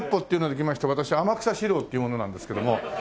私天草四郎っていう者なんですけども。